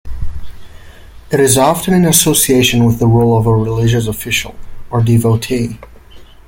It is often in association with the role of a religious official or devotee.